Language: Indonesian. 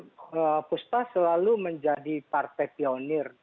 nasdem pusat selalu menjadi partai pionir